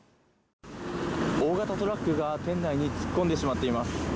大型トラックが店内に突っ込んでしまっています。